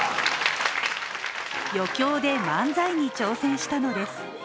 余興で漫才に挑戦したのです。